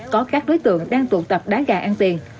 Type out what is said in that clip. có các đối tượng đang tụ tập đá gà ăn tiền